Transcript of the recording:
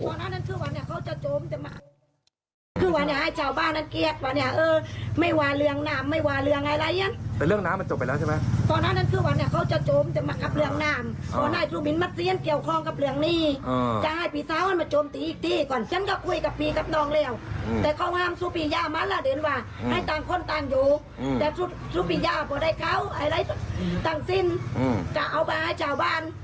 แต่สุพิยาพอได้เขาไอ้ไร้ต่างสิ้นจะเอามาให้เจ้าบ้าน